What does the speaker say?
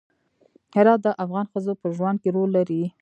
هرات د افغان ښځو په ژوند کې رول لري.